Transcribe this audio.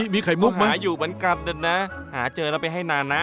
มีไข่มุกหมาอยู่เหมือนกันนะหาเจอแล้วไปให้นานนะ